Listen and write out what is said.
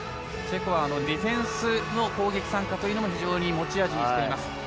チェコはディフェンスの攻撃参加というのも非常に持ち味にしています。